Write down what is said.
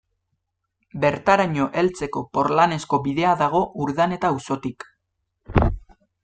Bertaraino heltzeko porlanezko bidea dago Urdaneta auzotik